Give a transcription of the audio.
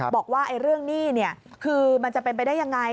บอกว่าเรื่องหนี้คือมันจะเป็นไปได้ยังไง